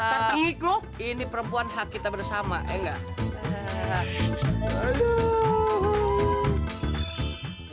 let's go ini perempuan hak kita bersama enggak